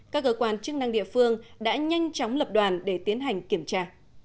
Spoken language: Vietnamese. các cơ quan chức năng địa phương đã nhanh chóng lập đoàn để tiến hành kiểm tra